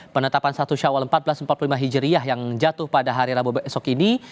penetapan satu syawal seribu empat ratus empat puluh lima hijriah yang jatuh pada hari rabu besok ini